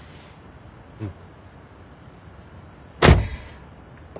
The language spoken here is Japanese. うん。